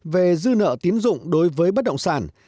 về dư nợ tiến dụng đối với bất động sản